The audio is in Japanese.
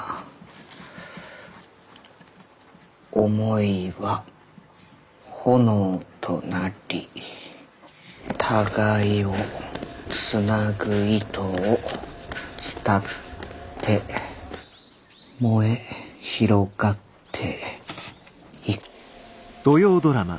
思いは炎となり互いをつなぐ糸を伝って燃え広がってい」。